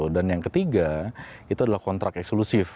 dan yang ketiga itu adalah kontrak eksklusif